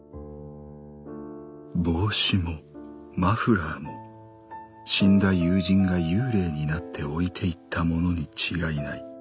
帽子もマフラーも死んだ友人が幽霊になって置いていったものに違いない。